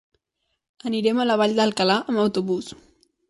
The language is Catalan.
Anirem a la Vall d'Alcalà amb autobús.